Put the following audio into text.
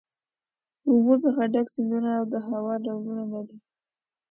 د اوبو څخه ډک سیندونه او د هوا ډولونه لري.